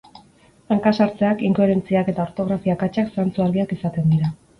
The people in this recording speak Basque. Hanka-sartzeak, inkoherentziak eta ortografia akatsak zantzu argiak izaten dira.